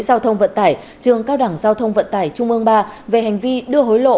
giao thông vận tải trường cao đảng giao thông vận tải trung ương ba về hành vi đưa hối lộ